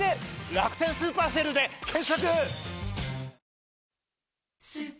「楽天スーパーＳＡＬＥ」で検索！